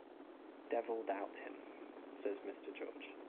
"Devil doubt him," says Mr. George.